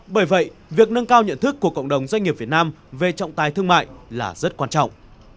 bởi vậy việc nâng cao nhận thức của cộng đồng doanh nghiệp việt nam về trọng tài thương mại là rất quan trọng